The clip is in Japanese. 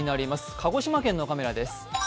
鹿児島県のカメラです。